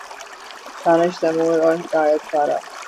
دانش تیمور اور ہدایت کارہ